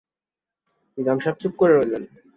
নিজাম সাহেব চুপ করে রইলেন।